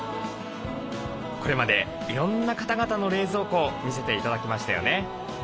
これまでいろんな方々の冷蔵庫を見せて頂きましたよね。